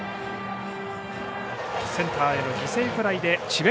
センターへの犠牲フライで智弁